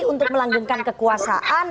untuk melanggungkan kekuasaan